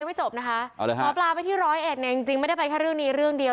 ไม่จบนะคะหมอปลาไปที่ร้อยเอ็ดเนี่ยจริงจริงไม่ได้ไปแค่เรื่องนี้เรื่องเดียว